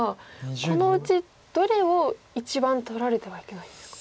このうちどれを一番取られてはいけないんですか。